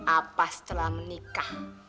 apa setelah menikah